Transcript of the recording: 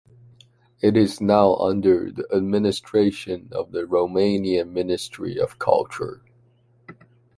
It is now under the administration of the Romanian Ministry of Culture.